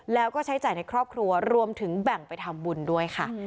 แล้วก็ใช้จ่ายในครอบครัวรวมถึงแบ่งไปทำบุญด้วยค่ะ